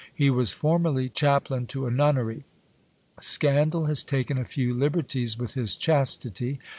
He was formerly chaplain to a nunnery. Scandal has taken 'a few liberties with his chastity.